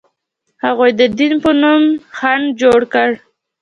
هغوی د دین په نوم خنډ جوړ کړ.